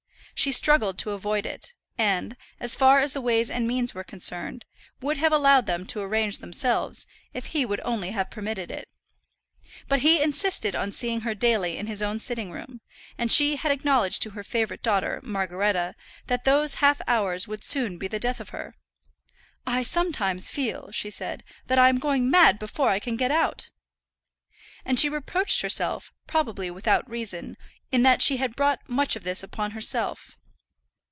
She struggled to avoid it; and, as far as the ways and means were concerned, would have allowed them to arrange themselves, if he would only have permitted it. But he insisted on seeing her daily in his own sitting room; and she had acknowledged to her favourite daughter, Margaretta, that those half hours would soon be the death of her. "I sometimes feel," she said, "that I am going mad before I can get out." And she reproached herself, probably without reason, in that she had brought much of this upon herself.